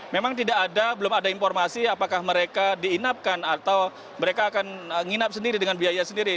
memang tidak ada belum ada informasi apakah mereka diinapkan atau mereka akan nginap sendiri dengan biaya sendiri